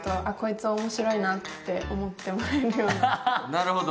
なるほど。